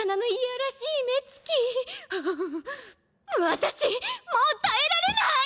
私もう耐えられない！